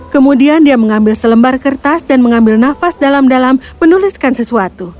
kemudian dia mengambil selembar kertas dan mengambil nafas dalam dalam menuliskan sesuatu